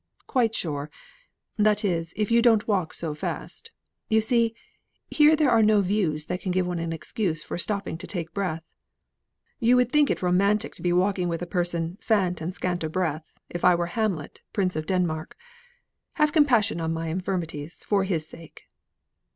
"Quite sure. That is, if you don't walk so fast. You see, here there are no views that can give one an excuse for stopping to take breath. You would think it romantic to be walking with a person 'fat and scant o' breath' if I were Hamlet, Prince of Denmark. Have compassion on my infirmities for his sake."